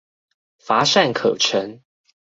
乏善可陳